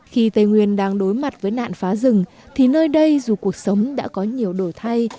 khi tây nguyên đang đối mặt với nạn phá rừng thì nơi đây dù cuộc sống đã có nhiều đổi thay